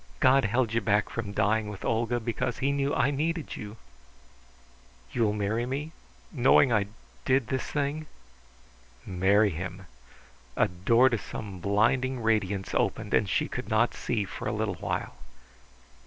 God held you back from dying with Olga because He knew I needed you." "You will marry me, knowing that I did this thing?" Marry him! A door to some blinding radiance opened, and she could not see for a little while.